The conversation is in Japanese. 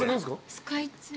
スカイツリー。